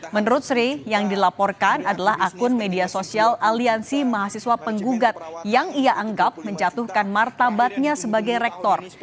menurut sri yang dilaporkan adalah akun media sosial aliansi mahasiswa penggugat yang ia anggap menjatuhkan martabatnya sebagai rektor